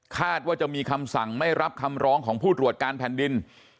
ว่าจะมีคำสั่งไม่รับคำร้องของผู้ตรวจการแผ่นดิน